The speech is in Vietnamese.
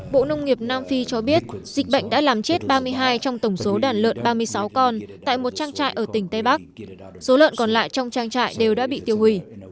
bộ nông nghiệp nam phi cho biết dịch bệnh đã làm chết ba mươi hai trong tổng số đàn lợn ba mươi sáu con tại một trang trại ở tỉnh tây bắc số lợn còn lại trong trang trại đều đã bị tiêu hủy